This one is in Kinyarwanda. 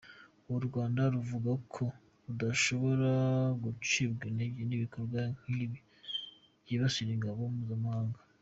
U Rwanda ruvuga ko rudashobora gucibwa intege n'ibikorwa nk'ibi byibasira ingabo mpuzamahanga.